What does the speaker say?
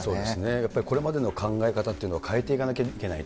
やっぱりこれまでの考え方というのを変えていかなきゃいけないと。